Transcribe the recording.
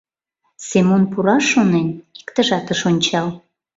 Семон пура шонен, иктыжат ыш ончал.